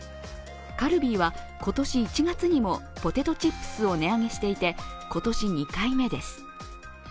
カルビーは今年１月にもポテトチップスを値上げしていて今年２回目です。